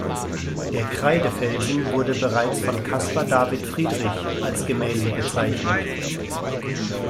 Der Kreidefelsen wurde bereits von Caspar David Friedrich als Gemälde gezeichnet.